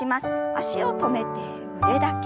脚を止めて腕だけ。